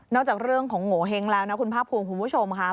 จากเรื่องของโงเห้งแล้วนะคุณภาคภูมิคุณผู้ชมค่ะ